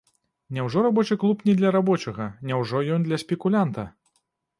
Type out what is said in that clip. Няўжо рабочы клуб не для рабочага, няўжо ён для спекулянта?